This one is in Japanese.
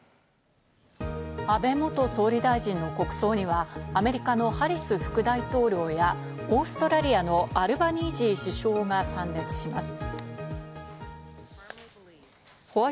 安倍元総理大臣の国葬にはアメリカのハリス副大統領や、オーストラリアのアルバニージー首相らが参列します。